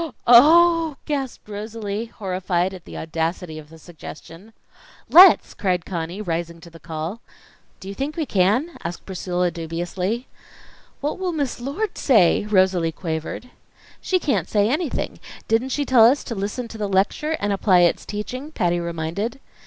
"Oh!" gasped Rosalie, horrified at the audacity of the suggestion. "Let's!" cried Conny, rising to the call. "Do you think we can?" asked Priscilla, dubiously. "What will Miss Lord say?" Rosalie quavered. "She can't say anything. Didn't she tell us to listen to the lecture and apply its teaching?" Patty reminded.